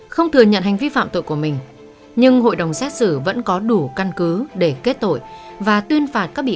không thừa nhận hành vi phạm tội của đồng phạm đồng phạm có tính liên tục kéo dài